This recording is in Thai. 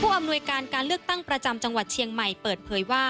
อำนวยการการเลือกตั้งประจำจังหวัดเชียงใหม่เปิดเผยว่า